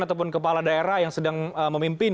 ataupun kepala daerah yang sedang memimpin